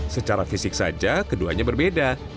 secara fisik saja keduanya berbeda